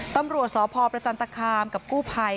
ตำรวจสพประจันตคามกับกู้ภัย